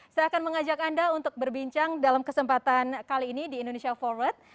saya akan mengajak anda untuk berbincang dalam kesempatan kali ini di indonesia forward